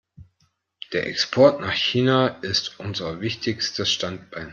Der Export nach China ist unser wichtigstes Standbein.